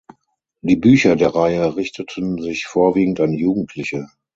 Die Bücher der Reihe richteten sich vorwiegend an Jugendliche.